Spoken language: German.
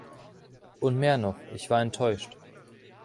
Und mehr noch, ich war enttäuscht.